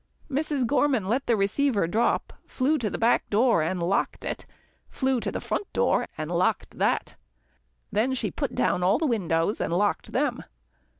Mrs. Gorman let the receiver drop, flew to the back door, and locked it, flew to the front door, and locked that. Then she put down all the windows, and locked them.